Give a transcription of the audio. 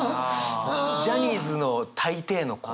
ジャニーズの大抵の子は。